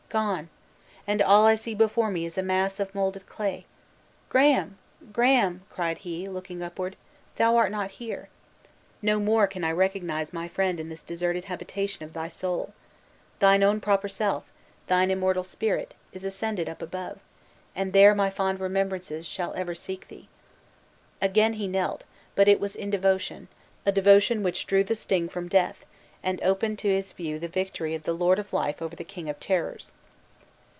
Gone; and all I see before me is a mass of molded clay! Graham! Graham!" cried he, looking upward, "thou art not here. No more can I recognize my friend in this deserted habitation of thy soul. Thine own proper self, thine immortal spirit, is ascended up above; and there my fond remembrance shall ever seek thee!" Again he knelt, but it was in devotion a devotion which drew the sting from death, and opened to his view the victory of the Lord of Life over the King of Terrors.